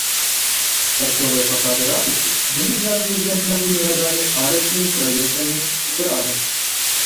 Тарцовыя фасады ратушы былі звязаны з гандлёвымі радамі арачнымі праездамі з брамамі.